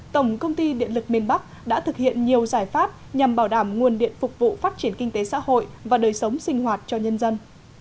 tổng công ty điện lực miền bắc đã thực hiện nhiều giải pháp nhằm bảo đảm nguồn điện phục vụ phát triển kinh tế xã hội và đời sống sinh hoạt cho nhân dân